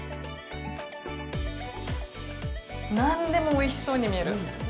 何でもおいしそうに見える。